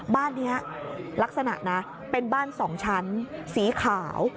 บ้านนี้ลักษณะนะเป็นบ้าน๒ชั้นสีขาว